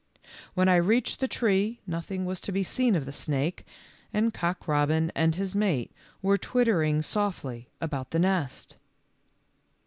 When I reached the tree nothing was to be seen of the snake, and Cock robin and his mate were twittering softly about the nest.